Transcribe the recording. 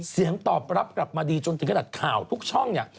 เสียงตอบรับกลับมาดีจนถึงขนาดข่าวทุกช่องเนี่ย